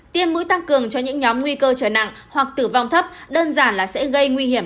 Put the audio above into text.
tiêm mũi tăng cường cho những nhóm nguy cơ trở nặng hoặc tử vong thấp đơn giản là sẽ gây nguy hiểm